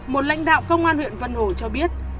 một lãnh đạo công an huyện vân hồ cho biết